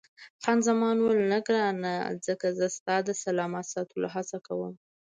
خان زمان وویل، نه ګرانه، ځکه زه ستا د سلامت ساتلو هڅه کوم.